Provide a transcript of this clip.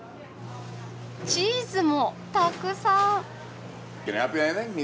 チーズもたくさん！